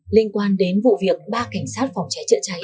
liên quan đến vụ việc ba cảnh sát phòng cháy chữa cháy